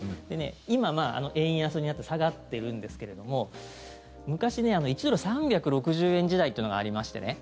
今、円安になって下がっているんですけども昔、１ドル＝３６０円時代というのがありましてね